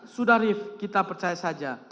sudah rif kita percaya saja